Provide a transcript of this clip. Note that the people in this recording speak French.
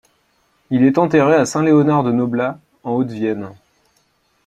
Il est enterré à Saint-Léonard-de-Noblat, en Haute-Vienne.